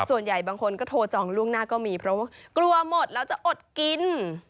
ส่วนใหญ่บางคนก็โทรจองล่วงหน้าก็มีเพราะว่ากลัวหมดแล้วจะอดกิน